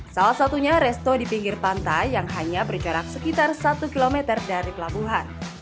salah satunya resto di pinggir pantai yang hanya berjarak sekitar satu km dari pelabuhan